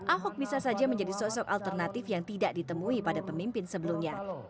ahok bisa saja menjadi sosok alternatif yang tidak ditemui pada pemimpin sebelumnya